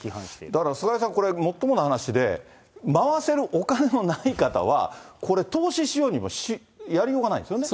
だから菅井さん、もっともな話で、回せるお金のない方は、これ投資しようにもやりようがないですよね。